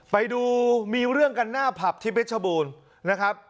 ไปดูมีเรื่องกันหน้าผับที่เพชรบูรณ์นะครับ